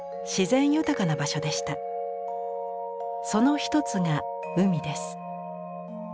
その一つが海です。